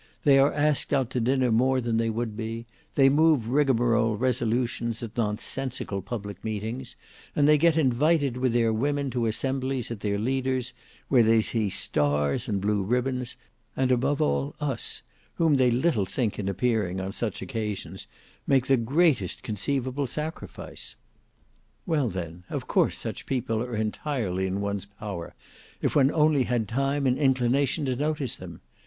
They are asked out to dinner more than they would be; they move rigmarole resolutions at nonsensical public meetings; and they get invited with their women to assemblies at their leader's where they see stars and blue ribbons, and above all, us, whom they little think in appearing on such occasions, make the greatest conceivable sacrifice. Well then, of course such people are entirely in one's power, if one only had time and inclination to notice them.